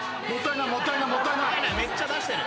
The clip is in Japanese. めっちゃ出してる。